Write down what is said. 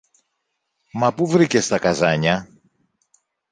Μα πού βρήκες τα καζάνια;